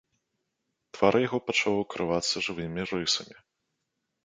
Твар яго пачаў укрывацца жывымі рысамі.